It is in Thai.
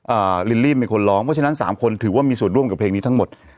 ลิลลี่เป็นคนร้องเพราะฉะนั้นสามคนถือว่ามีส่วนร่วมกับเพลงนี้ทั้งหมด